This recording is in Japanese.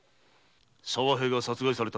沢平が殺された。